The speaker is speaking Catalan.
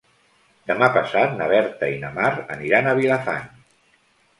Demà passat na Berta i na Mar aniran a Vilafant.